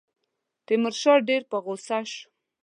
تیمورشاه ډېر په غوسه شو.